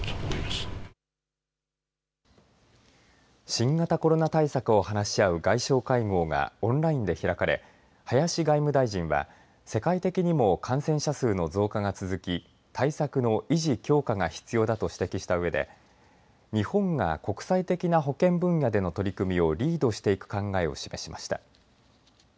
新型コロナ対策を話し合う外相会合がオンラインで開かれ林外務大臣は世界的にも感染者数の増加が続き対策の維持、強化が必要だと指摘したうえで日本が国際的な保健分野での取り組みをリードしていく考えを示しました。